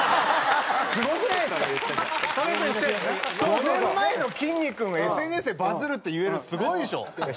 ５年前のきんに君を「ＳＮＳでバズる」って言えるってすごいでしょ？